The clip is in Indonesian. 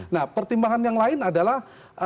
nah pertimbangan yang lain adalah